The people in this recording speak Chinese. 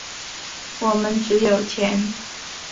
我们只有钱。